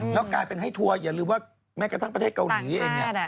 แล้วกลายเป็นให้ทัวร์อย่าลืมว่าแม้กระทั่งประเทศเกาหลีเองเนี่ย